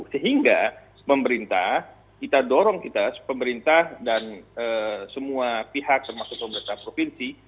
sehingga pemerintah kita dorong kita pemerintah dan semua pihak termasuk pemerintah provinsi